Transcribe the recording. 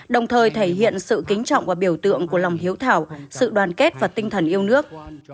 đồng thời thể hiện sự kính trọng và biểu tượng của lòng hiếu thảo sự đoàn kết và tinh thần yêu nước